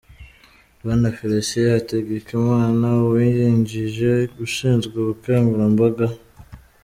Bwana Félicien Hategekimana, Uwungirije ushinzwe Ubukangurambaga